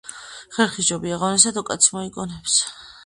ხერხი ჯობია ღონესა, თუ კაცი მოიგონებსა.